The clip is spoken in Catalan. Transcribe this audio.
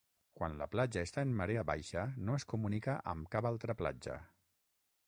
Quan la platja està en marea baixa no es comunica amb cap altra platja.